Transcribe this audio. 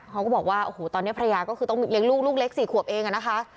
เขาก็บอกว่าโอ้โหตอนนี้ภรรยาก็คือต้องเลี้ยงลูกลูกเล็ก๔ขวบเองอะนะคะ